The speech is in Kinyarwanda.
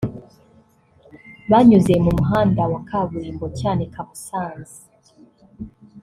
Banyuze mu muhanda wa kaburimbo Cyanika-Musanze